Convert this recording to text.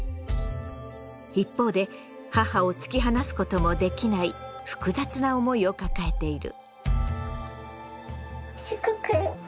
一方で母を突き放すこともできない複雑な思いを抱えている。